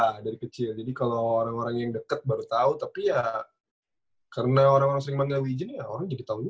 nggak dari kecil jadi kalo orang orang yang deket baru tau tapi ya karena orang orang sering panggil wijin ya orang jadi tau dulu ya